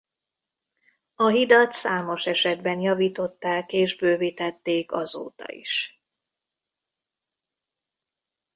A hidat számos esetben javították és bővítették azóta is.